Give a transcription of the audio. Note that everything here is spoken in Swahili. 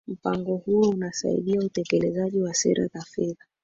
mpango huo unasaidia utekelezaji wa sera za fedha